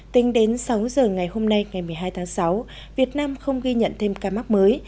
tính đến sáu giờ ngày hôm nay ngày một mươi hai tháng sáu việt nam không ghi nhận thêm ca mắc mới